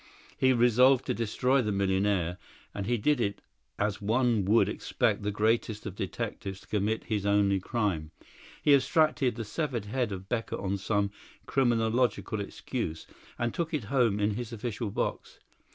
He resolved to destroy the millionaire, and he did it as one would expect the greatest of detectives to commit his only crime. He abstracted the severed head of Becker on some criminological excuse, and took it home in his official box.